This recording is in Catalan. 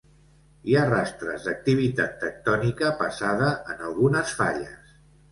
Hi ha rastres d'activitat tectònica passada en algunes falles.